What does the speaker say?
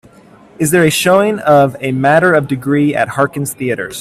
Is there a showing of A Matter of Degrees at Harkins Theatres